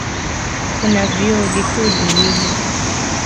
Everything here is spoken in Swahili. Kuna vyuo vikuu viwili.